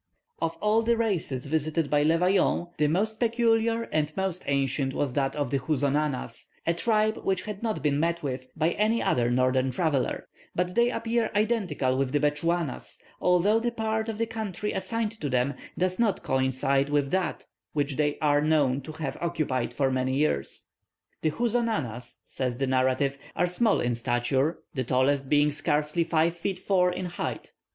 Of all the races visited by Le Vaillant, the most peculiar and most ancient was that of the Houzonanas, a tribe which had not been met with by any other northern traveller; but they appear identical with the Bechuanas, although the part of the country assigned to them does not coincide with that which they are known to have occupied for many years. "The Houzonanas," says the narrative, "are small in stature, the tallest being scarcely five feet four in height.